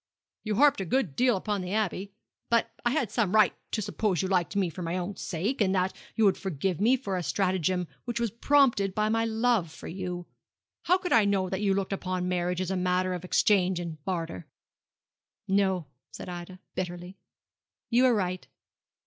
'You harped a good deal upon the Abbey. But I had some right to suppose you liked me for my own sake, and that you would forgive me for a stratagem which was prompted by my love for you. How could I know that you looked upon marriage as a matter of exchange and barter?' 'No,' said Ida, bitterly. 'You are right.